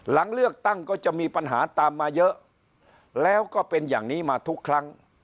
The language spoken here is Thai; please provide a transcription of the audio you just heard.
หลังเลือกตั้งก็จะมีปัญหาตามมาเยอะแล้วก็เป็นอย่างนี้มาทุกครั้ง